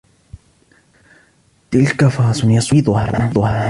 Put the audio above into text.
تلك فرس يصعب ترويضها.